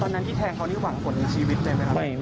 นั้นที่แทงเขานี่หวังผลในชีวิตได้ไหมครับ